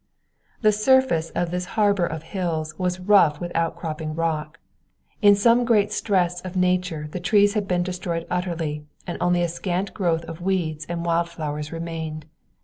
The surface of this harbor of the hills was rough with outcropping rock. In some great stress of nature the trees had been destroyed utterly, and only a scant growth of weeds and wild flowers remained.